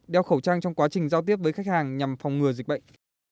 đeo khẩu trang trong quá trình giao tiếp với khách hàng nhằm phòng ngừa dịch bệnh